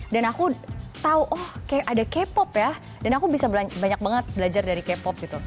dan aku tau oh kayak ada k pop ya dan aku bisa banyak banget belajar dari k pop gitu